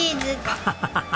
アハハハ。